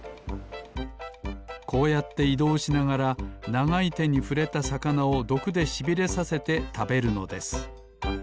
こうやっていどうしながらながいてにふれたさかなをどくでしびれさせてたべるのです